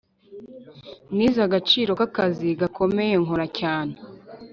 nize agaciro k'akazi gakomeye nkora cyane.